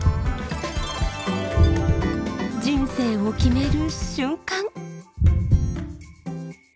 人生を決める瞬間。